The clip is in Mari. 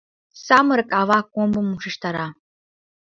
Самырык ава комбым ушештара.